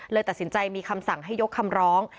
ตัดสินใจมีคำสั่งให้ยกคำร้อง